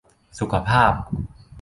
สุขภาพ